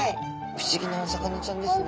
不思議なお魚ちゃんですね。